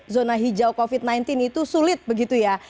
zona hijau covid sembilan belas itu sulit begitu ya